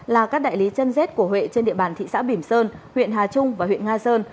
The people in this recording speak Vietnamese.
là các đại lý chân rết của huệ trên địa bàn thị xã bỉm sơn huyện hà trung và huyện nga sơn